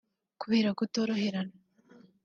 kubera kutoroherana